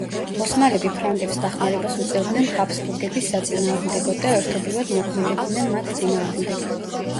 ოსმალები ფრანგებს დახმარებას უწევდნენ ჰაბსბურგების საწინააღმდეგოდ და ერთობლივად მოქმედებდნენ მათ წინააღმდეგ.